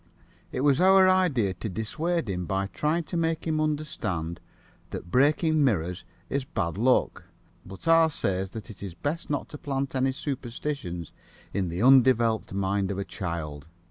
It was our idea to dissuade him by trying to make him understand that breaking mirrors is bad luck, but R. says that it is best not to plant any superstitions in the undeveloped mind of a child.